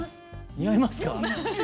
似合いますか？